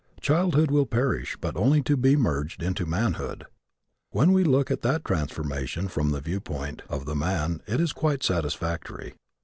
Childhood will perish but only to be merged into manhood. When we look at that transformation from the viewpoint of the man it is quite satisfactory.